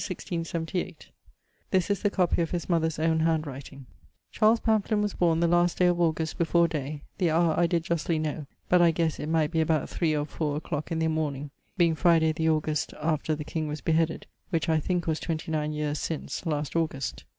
This is the copie of his mother's owne handwriting: 'Charles Pamphlin was borne the last day of August before day, the howre I did justly know but I guesse it might be about 3 or 4 a clock in the morning, being Fryday the August after the king was beheaded; which I thinke was 29 yeares since, last August.'